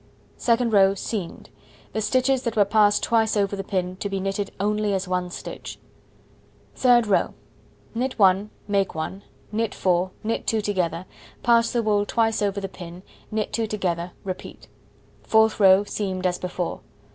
Second row: Seamed. The stitches that were passed twice over the pin to be knitted only as 1 stitch. Third row: Knit 1, make 1, knit 4, knit 2 together, pass the wool twice over the pin, knit 2 together, repeat. Fourth row: Seamed as before.